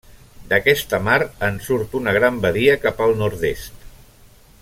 D'aquesta mar, en surt una gran badia cap al nord-est.